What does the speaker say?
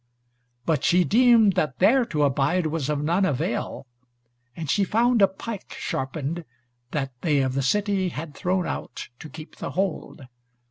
But she deemed that there to abide was of none avail, and she found a pike sharpened, that they of the city had thrown out to keep the hold.